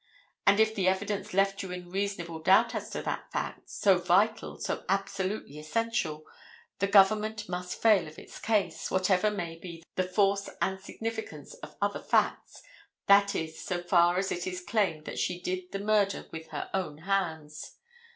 And if the evidence left you in reasonable doubt as to that fact, so vital, so absolutely essential, the government must fail of its case, whatever may be the force and significance of other facts, that is, so far as it is claimed that she did the murder with her own hands.